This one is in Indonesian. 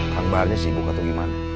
kang baharnya sibuk atau gimana